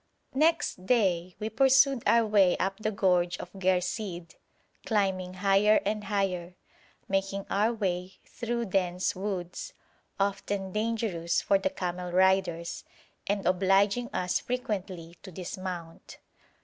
Next day we pursued our way up the gorge of Ghersìd, climbing higher and higher, making our way through dense woods, often dangerous for the camel riders, and obliging us frequently to dismount.